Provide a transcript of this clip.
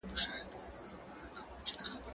هغه څوک چي سندري اوري خوشاله وي!